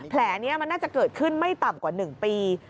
แผลนี้มันน่าจะเกิดขึ้นไม่ต่ำกว่า๑ปี